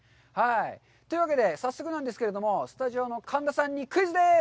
というわけで、早速なんですけれども、スタジオの神田さんにクイズです！